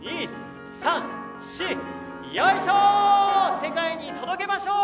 世界に届けましょう！